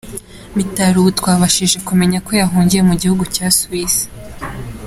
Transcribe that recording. Mitali ubu twabashije kumenya ko yahungiye mu gihugu cya Suisse.